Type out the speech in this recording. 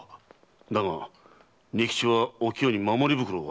だが仁吉はお清に守り袋を渡している。